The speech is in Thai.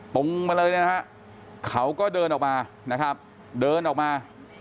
ปงมาเลยน่ะฮะเขาก็เดินออกมานะฮะเดินออกมา